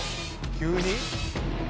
急に？